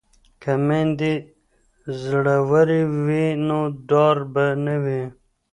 که میندې زړورې وي نو ډار به نه وي.